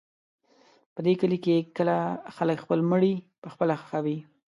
په دې کلي کې خلک خپل مړي پخپله ښخوي.